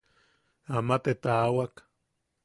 Ama te taawak.